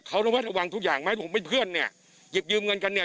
เขาระวัดระวังทุกอย่างไหมผมเป็นเพื่อนเนี่ยหยิบยืมเงินกันเนี่ย